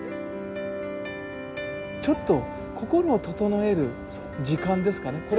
ちょっと心を整える時間ですかね。